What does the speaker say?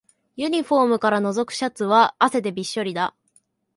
ユニフォームからのぞくシャツは汗でびっしょりだ